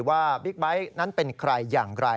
บิ๊กไบท์นั้นเป็นใครอย่างไร